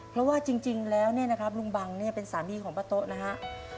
เพราะว่าจริงแล้วเนี่ยนะครับลุงบังเนี่ยเป็นสามีของป้าโต๊ะนะฮะ